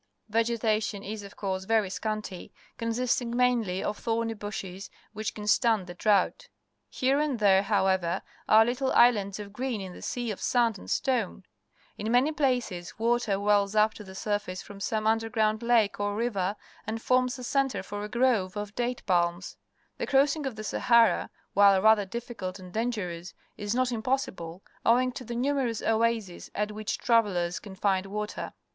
Vegetation is, of course, very scanty, consisting mainly of thorny bushes which can stand the drought. Here and there, however, are little islands of green in the sea of sand and stone. In many places water wells up to the surface from some under ground lake or river, and forms a centre for a grove of date palms. The crossing of the Sahara, while rather difficult and dangerous, is not impossible, owing to the numerous oases at which travel lers can find water.